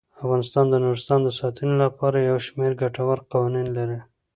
افغانستان د نورستان د ساتنې لپاره یو شمیر ګټور قوانین لري.